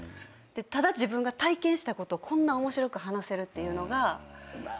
ただ自分が体験したことをこんな面白く話せるっていうのが。